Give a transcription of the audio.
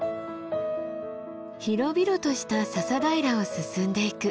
広々とした笹平を進んでいく。